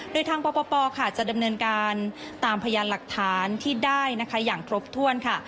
โดยทางปปค่ะจะดำเนินการตามพยานหลักฐานที่ได้นะคะอย่างครบถ้วนค่ะ